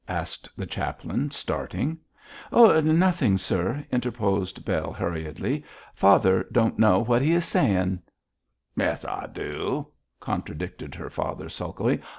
asked the chaplain, starting. 'Nothing, sir,' interposed Bell, hurriedly. 'Father don't know what he is sayin'.' 'Yes, I do,' contradicted her father, sulkily.